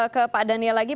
ke pak daniel lagi